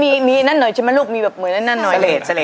เมื่อกี้มีนั่นน้อยใช่มั้ยลูกมีแบบเมื่อนั้นหน่อย